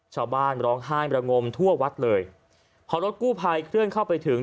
ชาวบ้านร้องไห้มรงมทั่ววัดเลยพอรถกู้ภัยเคลื่อนเข้าไปถึง